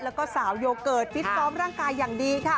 แล้วก็สาวโยเกิร์ตฟิตซ้อมร่างกายอย่างดีค่ะ